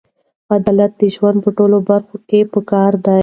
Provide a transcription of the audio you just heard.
عدالت د ژوند په ټولو برخو کې پکار دی.